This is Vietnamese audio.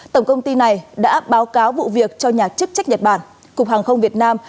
tổng công ty này đã báo cáo vụ việc cho nhà chức trách nhật bản cục hàng không việt nam